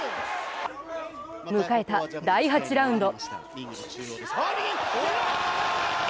迎えた第８ラウンド。